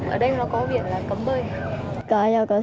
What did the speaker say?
ở đây nó có biển là cấm bơi